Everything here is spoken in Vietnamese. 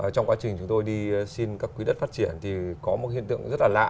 trong quá trình chúng tôi đi xin các quý đất phát triển thì có một hiện tượng rất là lạ